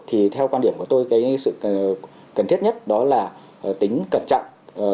thì theo quan điểm của tôi cái sự cần thiết nhất đó là tính cẩn trọng